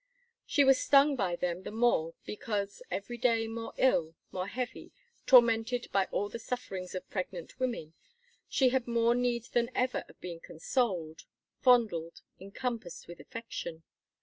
She was stung by them the more because, every day more ill, more heavy, tormented by all the sufferings of pregnant women, she had more need than ever of being consoled, fondled, encompassed with affection.